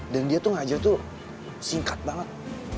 dan dia tuh ngajar tuh singkat banget